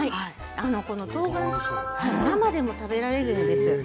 とうがん生でも食べられるんです。